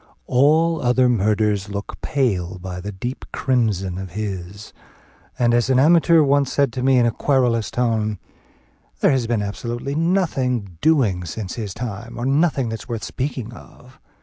All other murders look pale by the deep crimson of his; and, as an amateur once said to me in a querulous tone, "There has been absolutely nothing doing since his time, or nothing that's worth speaking of."